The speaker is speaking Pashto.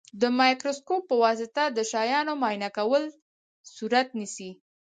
د مایکروسکوپ په واسطه د شیانو معاینه کول صورت نیسي.